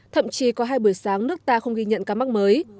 thậm chí có hai buổi sáng nước ta không ghi nhận ca mắc mới